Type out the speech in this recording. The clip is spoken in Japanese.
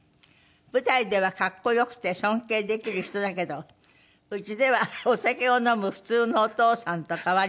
「舞台では格好良くて尊敬できる人だけどうちではお酒を飲む普通のお父さんと変わりません」